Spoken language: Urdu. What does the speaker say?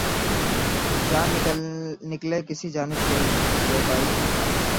چاند نکلے کسی جانب تری زیبائی کا